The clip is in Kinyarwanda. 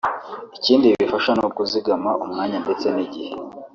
Ikindi bifasha ni ukuzigama umwanya ndetse n’igihe